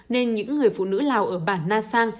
nên những người phụ nữ lào ở bản na sang